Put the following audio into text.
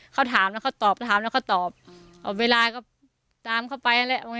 เขาถามแล้วเขาตอบถามแล้วเขาตอบเวลาก็ตามเขาไปอะไร